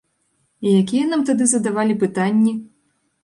І якія нам тады задавалі пытанні?